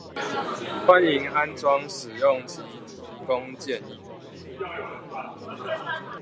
歡迎安裝使用及提供建議